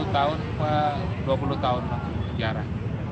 dua puluh tahun dua puluh tahun sejarah